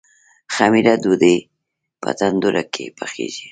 خمیره ډوډۍ په تندور کې پخیږي.